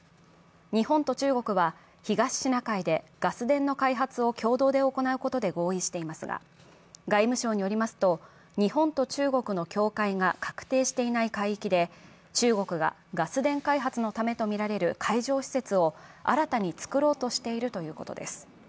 日本と中国は、東シナ海でガス田の開発を共同で行うことで合意していますが、外務省によりますと日本と中国の境界が画定していない海域で中国がガス田開発のためとみられる海上施設を新たに造ろうとしているということです。